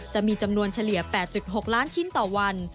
จะมีจำนวนเฉลี่ย๘๖ล้านชิ้นต่อวัน